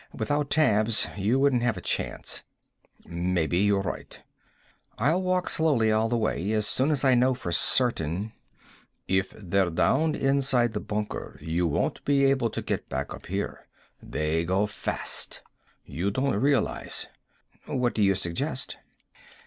Without tabs you wouldn't have a chance." "Maybe you're right." "I'll walk slowly all the way. As soon as I know for certain " "If they're down inside the bunker you won't be able to get back up here. They go fast. You don't realize." "What do you suggest?"